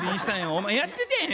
お前やっててん。